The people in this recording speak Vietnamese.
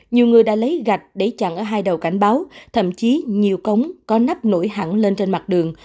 nhiều người đã lấy gạch để chặn ở hai đầu cảnh báo thậm chí nhiều cống có nắp nổi hẳn lên trên mặt đường